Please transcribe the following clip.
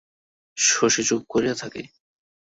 শশী চুপ করিয়া থাকে।